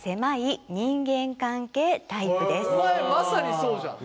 お前まさにそうじゃん。